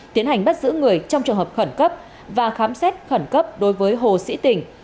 tiến hành bắt giữ người trong trường hợp khẩn cấp và khám xét khẩn cấp đối với hồ sĩ tình